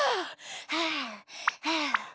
はあはあ。